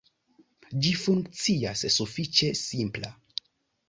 Ĝi funkcias sufiĉe simpla.